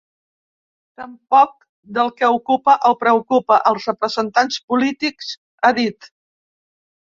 Tampoc del que ocupa o preocupa als representants polítics, ha dit.